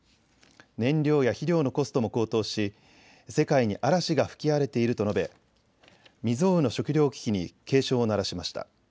燃料や肥料のコストも高騰し世界に嵐が吹き荒れていると述べ、未曽有の食料危機に警鐘を鳴らしました。